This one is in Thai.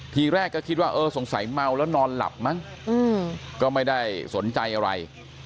ทีแรกก็คิดว่าเออสงสัยเมาแล้วนอนหลับมั้งก็ไม่ได้สนใจอะไร